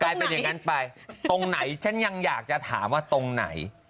อย่างนั้นไปตรงไหนฉันยังอยากจะถามว่าตรงไหน